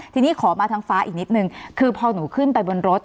ทีนี้ขอมาทางฟ้าอีกนิดนึงคือพอหนูขึ้นไปบนรถ